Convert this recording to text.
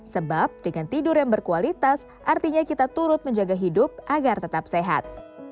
sebab dengan tidur yang berkualitas artinya kita turut menjaga hidup agar tetap sehat